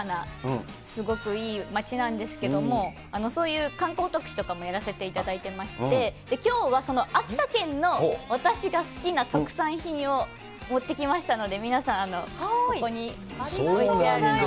まあ、のどかな、すごくいい町なんですけども、そういう観光特使とかもやらせていただいてまして、きょうは、その秋田県の私が好きな特産品を持ってきましたので、皆さん、ここに置いてあるのを。